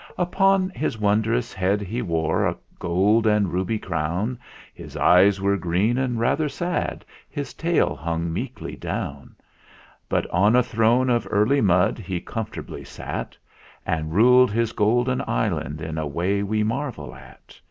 n. Upon his wondrous head he wore a gold and ruby crown, His eyes were green and rather sad, his tail hung meekly down; But on a throne of early mud he comfortably sat 121 122 THE FLINT HEART And ruled his Golden Island in a way we marvel at.